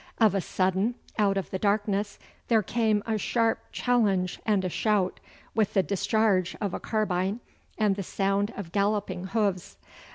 Of a sudden out of the darkness there came a sharp challenge and a shout, with the discharge of a carbine and the sound of galloping hoofs.